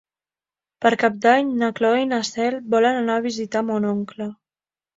Per Cap d'Any na Cloè i na Cel volen anar a visitar mon oncle.